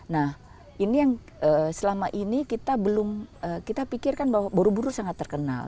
nah ini yang selama ini kita pikirkan bahwa borobudur sangat terkenal